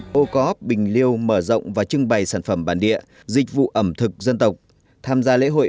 pocop bình liêu mở rộng và trưng bày sản phẩm bản địa dịch vụ ẩm thực dân tộc tham gia lễ hội